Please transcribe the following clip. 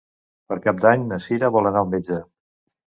Per Cap d'Any na Cira vol anar al metge.